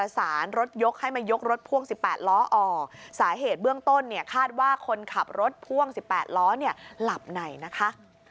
สาเหตุเบื้องต้นคาดว่าคนขับรถพ่วง๑๘ล้อหลับไหนนะคะ